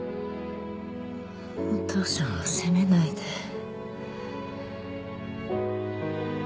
お父さんを責めないで。